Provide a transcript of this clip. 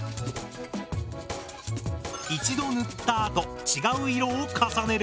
一度塗ったあと違う色を重ねる。